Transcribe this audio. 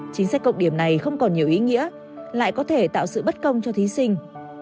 chính sách cộng điểm này không còn nhiều ý nghĩa lại có thể tạo sự bất công cho thí sinh